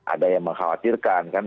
ada yang mengkhawatirkan kan